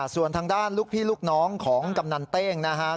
ส่วนทางด้านลูกพี่ลูกน้องของกำนันเต้งนะฮะ